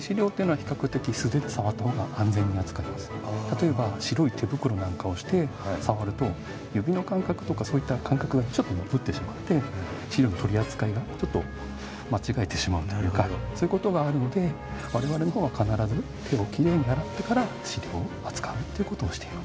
材質にもよるんですけど例えば白い手袋なんかをして触ると指の感覚とかそういった感覚がちょっと鈍ってしまって資料の取り扱いがちょっと間違えてしまうというかそういうことがあるので我々のほうは必ず手をきれいに洗ってから資料を扱うってことをしています。